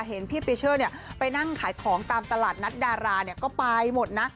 เห็นพี่ปีเชอร์ไปนั่งขายของตามตลาดนัดดาราก็ไปหมดนะ